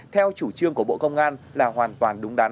theo chủ trương của bộ công an là hoàn toàn đúng đắn